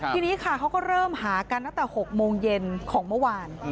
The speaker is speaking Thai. ทีนี้ค่ะเขาก็เริ่มหากันตั้งแต่๖โมงเย็นของเมื่อวาน